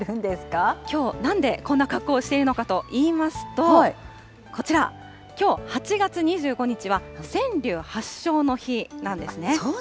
きょうなんで、こんな格好をしているかといいますと、こちら、きょう８月２５日そうなんですか。